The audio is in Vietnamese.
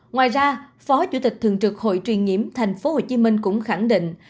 ngoài ra phó chủ tịch thường trực hội truyền nhiễm tp hcm cũng khẳng định